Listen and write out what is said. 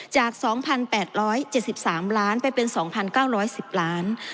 จาก๒๘๗๓ล้านไปเป็น๒๙๑๐ล้าน